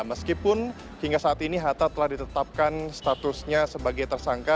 meskipun hingga saat ini hatta telah ditetapkan statusnya sebagai tersangka